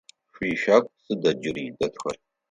Шъуищагу сыда джыри дэтхэр?